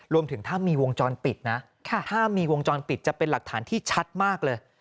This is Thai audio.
รวมถึงถ้ามีวงจรปิดนะถ้ามีวงจรปิดจะเป็นหลักฐานที่ชัดมากเลย